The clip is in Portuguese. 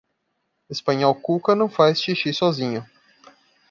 Espanhol Cuca não faz xixi sozinho.